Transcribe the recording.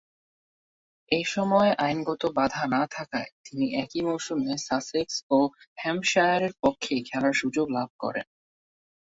এ সময়ে আইনগত বাঁধা না থাকায় তিনি একই মৌসুমে সাসেক্স ও হ্যাম্পশায়ারের পক্ষে খেলার সুযোগ লাভ করেন।